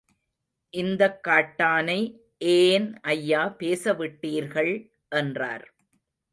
இந்தக் காட்டானை ஏன் ஐயா பேசவிட்டீர்கள், என்றார்.